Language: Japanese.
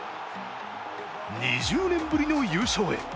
２０年ぶりの優勝へ。